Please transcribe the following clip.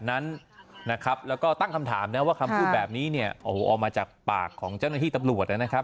นั้นนะครับแล้วก็ตั้งคำถามนะว่าคำพูดแบบนี้เนี่ยโอ้โหออกมาจากปากของเจ้าหน้าที่ตำรวจนะครับ